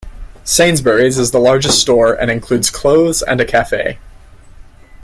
Sainsburys is the largest store and includes clothes and a cafe.